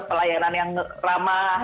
pelayanan yang ramah